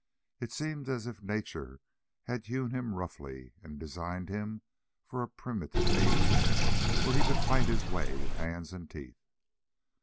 It seemed as if nature had hewn him roughly and designed him for a primitive age where he could fight his way with hands and teeth.